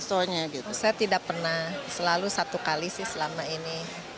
saya tidak pernah selalu satu kali sih selama ini